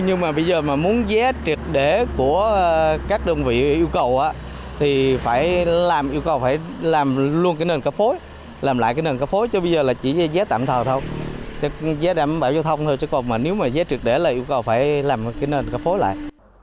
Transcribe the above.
nhưng mà bây giờ mà muốn vé trực để của các đơn vị yêu cầu thì phải làm yêu cầu phải làm luôn cái nền ca phối làm lại cái nền ca phối cho bây giờ là chỉ vé tạm thờ thôi vé đảm bảo giao thông thôi chứ còn mà nếu mà vé trực để là yêu cầu phải làm cái nền ca phối lại